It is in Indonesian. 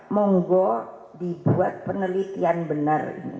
monggo dibuat penelitian benar